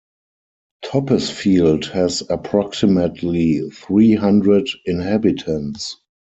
Toppesfield has approximately three-hundred inhabitants.